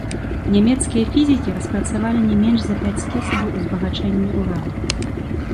Нямецкія фізікі распрацавалі не менш за пяць спосабаў узбагачэння ўрану.